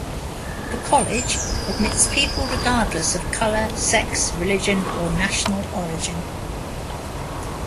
The College admits people regardless of color, sex, religion, or national origin.